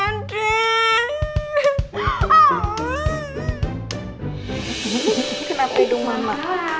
kenapa hidung mama